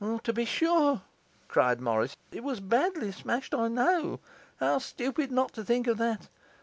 'To be sure!' cried Morris; 'it was badly smashed, I know. How stupid not to think of that!